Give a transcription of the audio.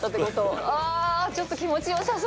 ああちょっと気持ち良さそうだな。